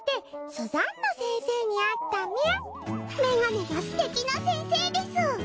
メガネがすてきな先生です。